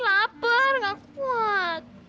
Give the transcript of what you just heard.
laper enggak kuat